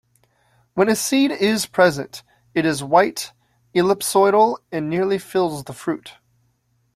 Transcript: When a seed is present, it is white, ellipsoidal, and nearly fills the fruit.